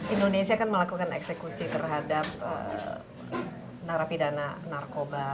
indonesia kan melakukan eksekusi terhadap narapidana narkoba